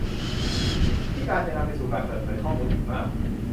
ที่จะนำไปสู่การเปิดเผยข้อมูลอีกมาก